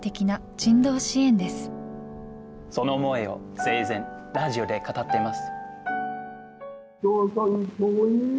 その思いを生前ラジオで語っています。